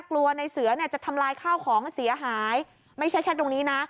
กลัวในเสือเนี่ยจะทำลายข้าวของเสียหายไม่ใช่แค่ตรงนี้นะ